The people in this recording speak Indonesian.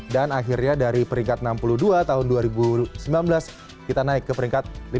dan akhirnya dari peringkat enam puluh dua tahun dua ribu sembilan belas kita naik ke peringkat lima puluh enam